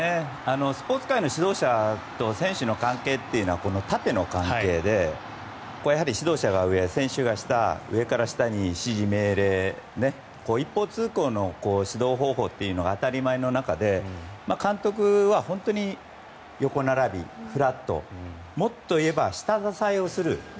スポーツ界の指導者と選手の関係というのは縦の関係で指導者が上、選手が下上から下に指示命令一方通行の指導方法というのが当たり前の中で監督は本当に横並び、フラットもっと言えば下支えをする。